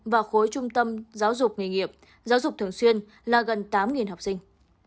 và khối trung tâm giáo dục nghề nghiệp giáo dục thường xuyên là gần tám học sinh